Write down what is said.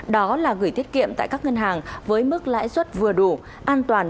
đó là gửi tiết kiệm tại các ngân hàng với mức lãi suất vừa đủ an toàn